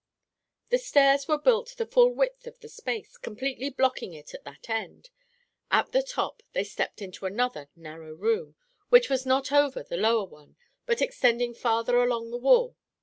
The stairs were built the full width of the space, completely blocking it at that end. At the top they stepped into another narrow room, which was not over the lower one but extended farther along the wall.